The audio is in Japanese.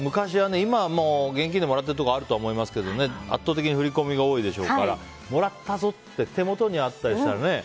今も現金でもらってるところあるでしょうけど圧倒的に振り込みが多いでしょうからもらったぞって手元にあったりしたらね。